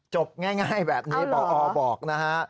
จบง่ายแบบนี้พอบอกนะฮะ